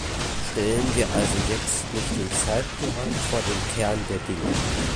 Stellen wir also jetzt nicht den Zeitplan vor den Kern der Dinge.